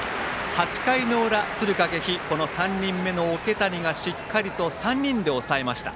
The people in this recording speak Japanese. ８回の裏、敦賀気比３人目の桶谷がしっかりと３人で抑えました。